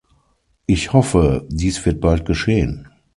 Ich hoffe, dies wird bald geschehen.